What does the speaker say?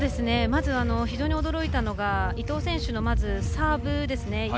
まず非常に驚いたのが伊藤選手のサーブですね。